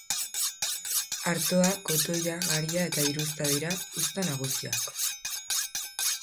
Artoa, kotoia, garia eta hirusta dira uzta nagusiak.